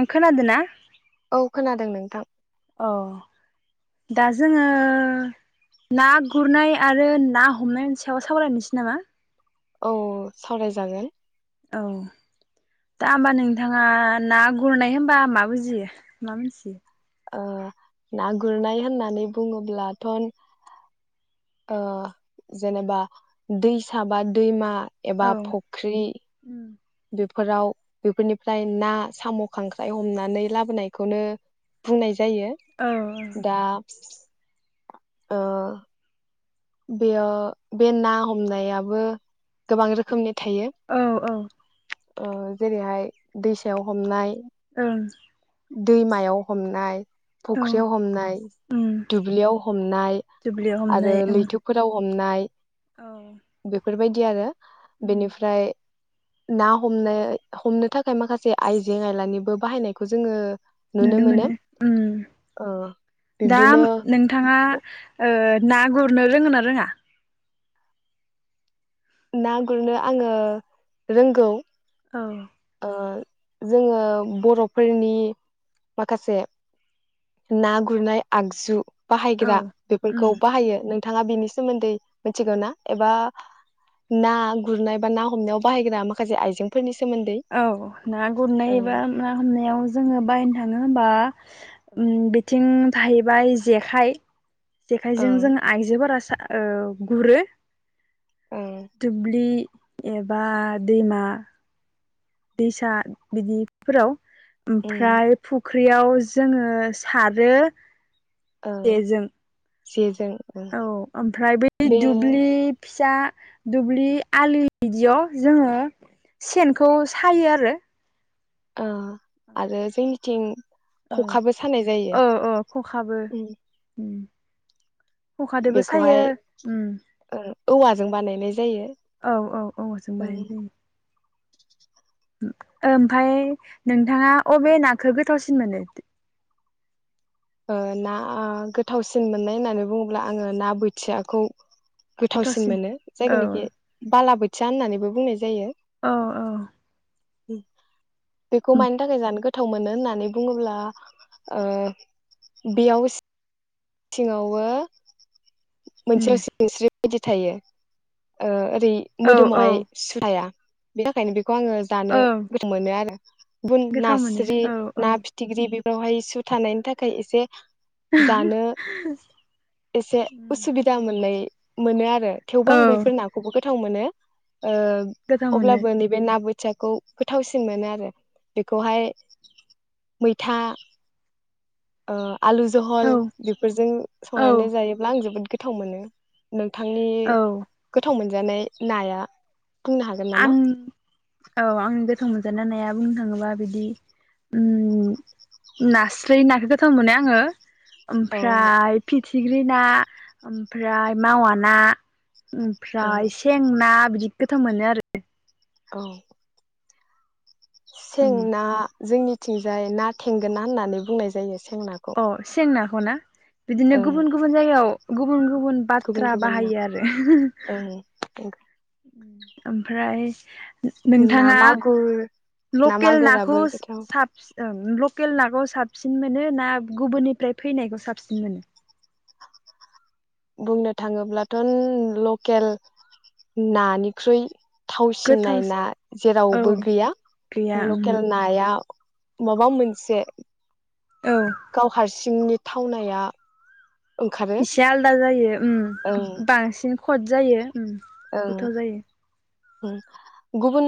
आं खोनादोंना औ खोनादों नोंथां अ दा जोङो ना गुरनाय आरो ना हमनायनि सायाव सावरायनोसै नामा औ सावरायजागोन औ दा होमबा नोंथाङा ना गुरनाय होनबा मा बुजियो मा मोनथियो ओ ना गुरनाय होननानै बुङोब्लाथ' ओ जेनेबा दैसा बा दैमा औ एबा फुख्रि बेफोराव बेफोरनिफ्राय ना साम' खांख्राय हमनानै लाबोनायखौनो बुंनाय जायो औ जायो दा बि ओ बेयाव बे ना हमनायाबो गोबां रोखोमनि थायो औ औ जेरैहाय दैसायाव हमनाय औ दैमायाव हमनाय औ फुख्रियाव हमनाय उम दुब्लियाव हमनाय दुब्लियाव आरो हमनाय ओं लैथोफोराव हमनाय औ बेफोरबायदि आरो उम बेनिफ्राय ना हमनो हमनो थाखाय माखासे आइजें आयलानिबो बाहायनाय खौ जोङो नुनो मोनो ओ ओ दा बिब्दिनो नोंथाङा ओ ना गुरनो रोङोना रोङा ना गुरनो आङो रोंगौ औ ओ जोङो बरफोरनि माखासे ना गुरनाय आगजु औ बाहायग्रा उम बेफोरखौ बाहायो नो थाङा बेनि सोमोन्दै मिथिगौ ना एबा ना गुरनाय बा ना हमनायाव बाहायग्रा माखासे आइजेंफोरनि सोमोन्दै औ ना ओ गुरनाय एबा मा हमनायाव जोङो बायनो थाङो होमबा ओम बिथिं थाहैबाय जेखाइ जेखायजों जों ओं आइजोफोरा सा औ गुरो ओं दुब्लि एबा दैमा दैसा बिदिफोराव उम ओमफ्राय फुख ख्रियाव जोङो सारो ओ ए जों जेजों ओ औ ओमफ्राय बै बे दुब्लि फिसा दुब्लि आलि बिदियाव जोङो सेनखौ सायो आरो ओ आरो जोंनिथिं औ ख'खाबो सानाय जायो औ औ खखाबो उम उम खखादोबो सायो बेखौहाय उम ओ औवाजों बानायनाय जायो औ औ औ औवाजों ओं बानायनाय जायो ओमफाय नोंथाङा अबे नाखौ गोथावसिन मोनो ओ ना गोथावसिन मोननाय होननानै बुङोब्ला आङो ना बोथियाखौ गोथावसिन मोनो औ जायखौनोखि बालाबो थिया होननानैबो बुंनाय जायो औ औ उम बेखौ उम मानि थाखाय जानो गोथ गोथाव मोनो होननानै बुङोब्ला ओ बेयाव सिङावबो उम मोनसे सिनस्रि बिदि थायो [unintelligible] औ औ मोदोमावहाय सु थाया बिनिखायनो बि खौ आङो औ जानो गोथाव मोनो आरो बुन गोथाव मोनो नास्रि औ औ ना फिथिख्रि बे बेवहाय सु थानायनि थाखाय एसे जानो एसे उसुबिदा मोननाय मोनो आरो थेवबो औ आं बैफोर नाखौबो गो थाव मोनो ओ गोथाव मोनो अब्लाबो नैबे ना बो थियाखौ गोथावसिन मोनो आरो बेखौहाय मैथा ओ आलु जहल औ जों औ संनानै जायोब्ला जोबोद गोथाव मोनो। नोंथांनि औ गोथाव मोन जानाय नाया बुंनो हागोन नामा आं औ आं गोथाव मोनजान ना नाया बुंनो थाङोबा बिदि ओ नास्राय नाखौ गोथाव मोनो आङो। औ ओमफ्राय फिब थिग्रि ना ओमफ्राय मावा ना, ओं ओमफ्राय सेंना बिदि गोथाव मोनो आरो। [inaudible] औ उम सेंना जोंनि थिंजाय ना थेंगोन ना होननानै बुंनाय जायो। सेंनाखौ अ सेंना होना बिदिनो ओं गुबुन गुबुन जायगायाव गुबुन गुब गुबुन बाथ्रा गुबुन ना बाहायो आरो ओं ओमफ्राय ना नोंथाङा मागुर ना लकेल मागुराबो नाखौ गोथाव साब ओं ल लकेल नाखौ साबसिन मोनो ना गुबुननिफ्राय फैनायखौ साबसिन मोनो? बुंनो थाङोब्लाथ लकेल नानिख्रुइ गोथाव थावसिननाय ना औ जेरावबो गैया गैया ओहो लकेल नाया माबा मोनसे औ गाव हारसि सिंनि थावनाया ओंखारो इसे आलादा जायो। ओं उम बांसिन खद जायो ओं गोथाव जायो। गुबुन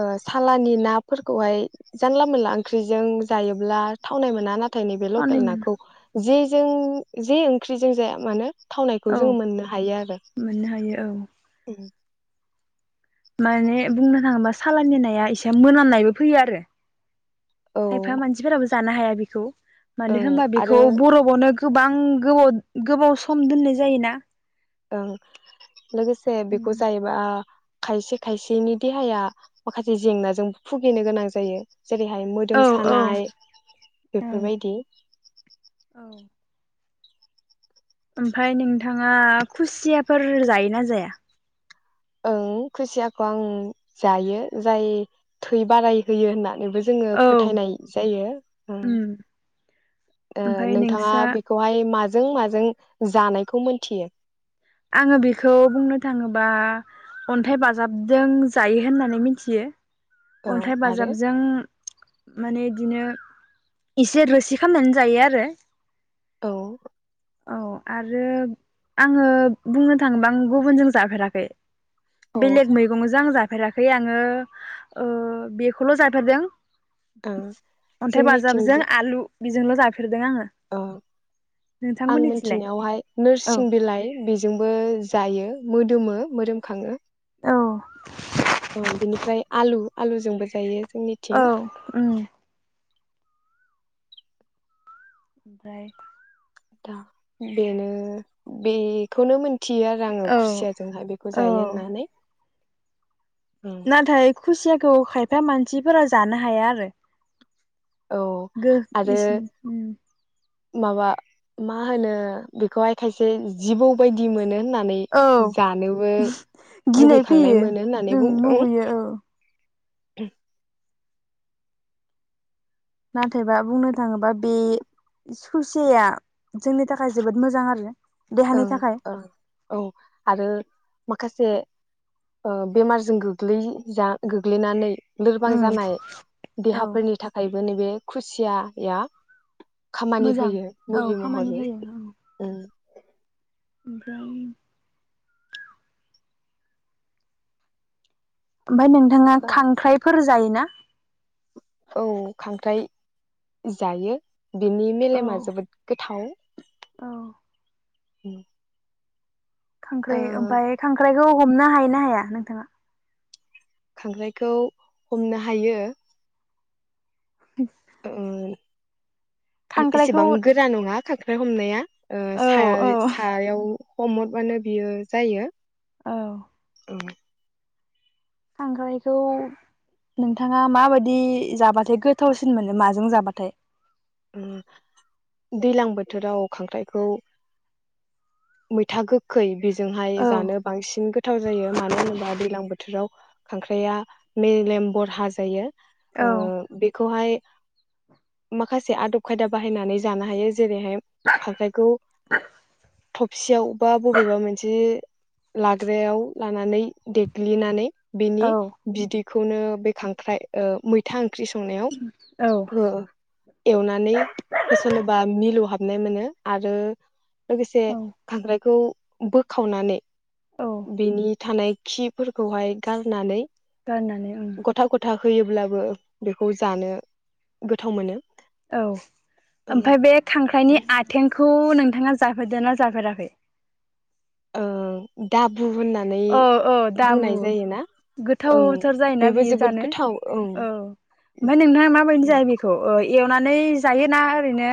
ओ सालानि नाफोरखौहाय जानला मोनानला ओंख्रिजों जायोब्ला थावनाय मोना नाथ थायनै बे थावनाय लकेल मोनो नाखौ जि जों जे ओंख्रिजों जाया मानो थावनायखौ औ जोंङो मोननो हायो आरो मोननो हायो औ उम। माने बुंनो थाङोबा साालाननि नाया एसे मोनामनायबो फैयो आरो। औ खायफा मानसिफोराबो जानो हाया बेखौ मानो ओं होनबा आरो बेखौ बरबबावनो गोबां गोबाव गोबाव सम दोननाय जायोना ओं लोगोसे बेखौ जायोबा खायसे खायसेनि देहाया माखासे जेंनाजों भुगिनो गोनां जायो। जेरैहाय औ मोदोम औ सानाय बेफोरबायदि औ ओमफ्राय नोंथाङा खुसियाफोर जायोना जाया? ओं खुसियाखौ आं जायो जाय थै बाराय होयो होनना। बेबो जोंङो औ फोथायनाय जायो उम ओ ओमफ्राय नोंथाङा नोंस्रा बेखौहाय माजो नों माजों जानायखौ मोनथियो? आंङो बेखौ बुंनो थाङोबा अन्थाइ बाजाबजों जायो होननानै मिथियो। औ अन्थाइ आरो बाजाबजों माने बिदिनो एसे रोसि खालामनानै जायो आरो औ औ आरो आंङो बुंनो थाङोबा आं गुबुनजों जाफेराखै। औ ओ बेलेग मैगं जों आं जा जाफेराखै आंङो ओ बेखौल जाफेरदों। अन्थाइ बाजाबजों आलु। बेजोंनो जाफ औ आं नोंथांमोननिथिलाय मिथिनायावहाय औ नोरसिं बिलाइ बेज जोंबो जायो मोदोमो मोदोमखाङो औ। अ बिनिफ्राय आलु आलुजोंबो जायो। औ जोंनिथिं उम ओमफ्राय दा बेनो बेखौनो मोन थियो आरो आङो औ खुसिया जोंहाय बेखौ औ जायो होननानै उम नाथाय खुसिया खौ खायफा मानसिफोरा जानो हाया आरो औ गो आरो इस [unintelligible] माबा मा होनो बेखौहाय खायसे जिबौ बायदि मोनो होननानै औ जानोबो गिनाय मुगैखांनाय फैयो मोनो होननानै ओं बुंदों। मुगैयो औ उम। नाथायबा बुंनो थाङोबा बे सुसेया जोंनि थाखाय जोबोद मोजां आरो देहानि ओं थाखाय ओ औ औ आरो मा माखासे बेमारजों गोग्लै गोग्लैनानै लोरबां उम जानाय औ देहाफोरनि थाखाय नैबे खुसियाया खामानि मोजां होयो औ मुलि खामानि महरै होयो औ ओम [inaudible] ओमफ्राय नोंथाङा खांख्राइफोर जायोना? औ खांख्राइ जायो बिनि औ मेलेमा जोबोद गोथाव। औ उम खांख्राइ ओमफ्राय खांख्राइ खौ हमनो हायोना हाया नोंथाङा? खांख्रायखौ हमनो हायो [unintelligible] ओ एसेबां खांख्राइखौ गोरा नङा खां ख्राय हमनाया ओ औ साया औ सायाव हमहरबानो बियो जायो औ ओ खांख्रायखौ नोंथाङा माबायदि जाबाथाय गोथावसिन मोनो माजों जाबाथाय? ओम दैलां बोथोराव खांख्राइखौ मैथा गोखै बेज जोंहाय औ जानो बांसिन गोथाव जायो मानो होनोबा दैलां बोथोराव खांख्राइआ मेलेम बरहा जायो। औ ओ बेखौहाय माखासे आदब खायदा बाहायनानै जानो हायो जेरैहाय खांख्राइखौ [unintelligible] बा बबेबा मोनसे लाग्रायाव लानानै देग्लिनानै बिनि औ बिदै खौनो बे खांख्राइ ओ मैथा ओं ख्रि संनायाव औ ओ एवनानै होसनोबा मिलौहाब नाय मोनो आरो लोगोसे औ बेखौ बोखावनानै औ बिनि थानाय खिफोरखौहाय गारनानै गारनानै ओं। गथा गथा होयोब्लाबो बेखौ जानो गोथाव मोनो। औ ओ ओमफ्राय बे खांख्राइनि आथेंखौ नों थांङा जाफेरदोना जाफेराखै? ओ दाब ओ ओ दाबु जायोना ओं गोथावथार जायोना बेबो बियो जोबोद जानो गोथाव ओं औ ओमफ्राय नोंथांहा माबायदि जायो बेखौ ओ एवनानै जायोना ओरैनो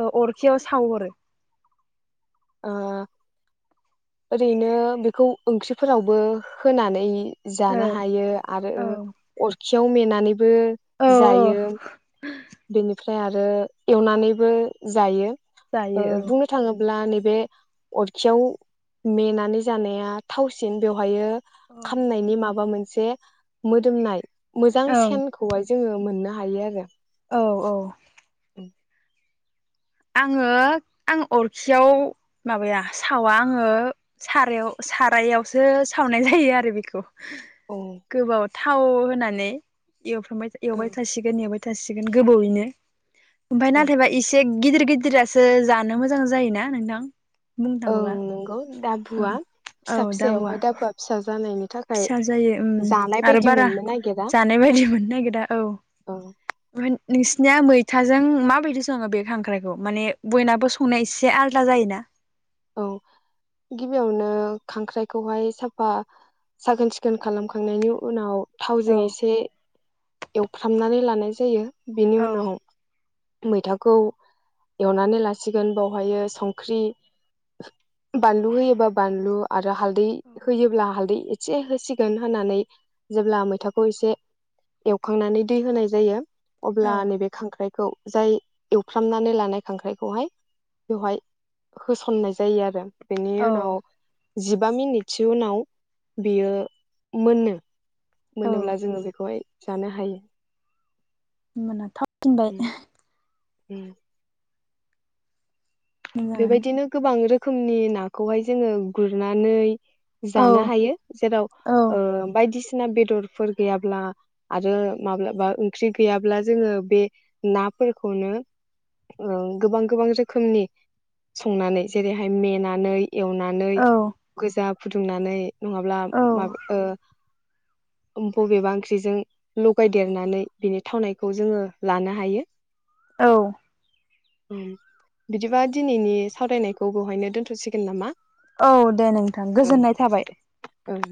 ओ अरखियाव सावहरो? ओ ओरैनो बेखौ ओंख्रिफोरावबो होनानै औ जानो हायो आरो औ ओ अरख खियाव मेनानैबो औ बो औ जायो बेनिफ्राय आरो एवनानैबो जायो। ओ जायो बुंनो थांङोब ब्ला नैबे अरखियाव मेनानै जानाया थावसिन बेवहायो औ ओं खामनायनि माबा मोन से मोदोमनाय मोजां सेनखौहाय जोङो मोननो हायो आरो। औ औ। औ आंङो आं अरखियाव माबाया सावा आंङो सारायाव सारायावसो सावनाय जायो आरो बेखौ। ओं गोबाव थाव होनानै एवफ्रबाय एवबाय ओं थासिगोन एवबाय थासिगोन गोबावयैनो ओमफ्राय नाथायबा इसे गिदिर गिदिरासो जानो मोजां जायोना नोंथां। बुंनो थाङोबा ओं बुवआ औ फिसा दाबुआ फिसायावहाय दाबु फि फिसा जायो जानाय आरो बायदि बारा मोननो नागिरा जानाय बायदि मोननो नागिरा औ औ मोन नोंसिनिया मैथाजों माबायदि सङो बे खांख्राइखौ माने बयनाबो संनाया एसे आलादा जायोना। औ गिबियावनो खांख्राइखौहाय साफा साखोन सिखोन खालामखांनायनि उनाव थावजों औ एसे एवफ्रामनानै लानाय जायो बिनि औ उनाव मैथाखौ एवनानै लासिगोन बावहायो संख्रि बानलु होयोबा बानलु आ रो हालदै होयोब्ला हालदै ए से होसिगोन होननानै जेब्ला मैथाखौ एसे एवखांनानै दै होनाय जायो। अब्ला औ नैबे खांख्राइखौ जाय एवफ्रामनानै लानाय खांख्राइखौहाय बेवहाय होसननाय जायो आरो बेनि औ उनाव जिबा मिनिटसो उनाव बियो मोनो औ मोनोब्ला जोङो बेखौहाय जानो हायो होनबाना थाब फिनबाय उ मोजाङानो बेबायदिनो गोबां रो खोमनि नाखौहाय जोङो गुरनानै औ जानो हायो जेराव औ ओ बायदि सिना बेदरफोर गैयाब्ला आरो माब्लाबा ओंख्रि गैयाब्ला जोङो बे नाफोरखौनो ओ गोबां गोबां रोखोमनि संनानै जेरैहाय मेनानै एवनानै औ गोजा फुदुंनानै नङाब्ला औ माबा ओ बबेबा ओंख्रिजों लगायदेरनानै बिनि थावनायखौ जोङो लानो हायो। औ उ बिदिब्ला दिनैनि सावरायनायखौ बेहायनो दोन्थ'सिगोन नामा? औ दे नोंथां ओं गोजोननाय थाबाय दे ओं